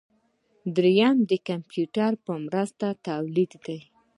دریم د کمپیوټر په مرسته تولید دی.